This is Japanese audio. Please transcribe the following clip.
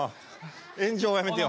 円上はやめてよ。